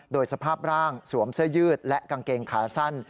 โดยสภาพร่างสวมเสื้อยืดและกางเกงขาสั้น